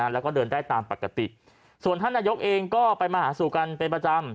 แล้วก็เดินได้ตามปกติส่วนท่านนายกเองก็ไปมาหาสู่กันเป็นประจำ